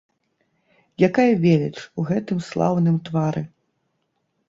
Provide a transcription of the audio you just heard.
Якая веліч у гэтым слаўным твары!